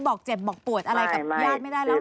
บอกเจ็บบอกปวดอะไรกับญาติไม่ได้แล้วเห